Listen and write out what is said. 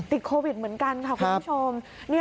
ติดโควิดเหมือนกันค่ะคุณผู้ชม